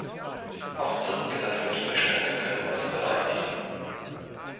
Auch zurückgelassene Gegenstände können als Beweis dienen.